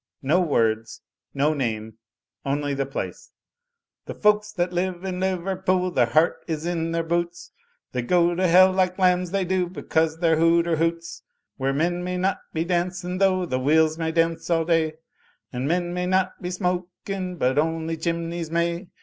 No words, no name, only the place. "The folks tjiat live in Liverpool, their heart is in their boots ; They go to Hell like lambs, they do, because the hooter hoots. Where men may not be dancin', though the wheels may dance all day; And men may not be smoking but only chimneys may.